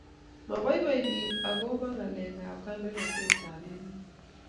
moboiboi pik ako ba ngalek ab kandoiten ab emt